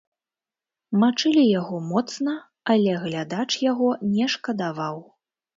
Мачылі яго моцна, але глядач яго не шкадаваў.